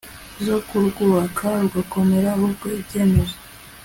zo kurwubaka rugakomera ahubwo ibyemezo